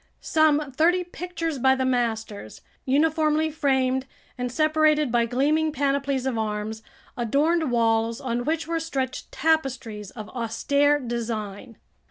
Some thirty pictures by the masters, uniformly framed and separated by gleaming panoplies of arms, adorned walls on which were stretched tapestries of austere design.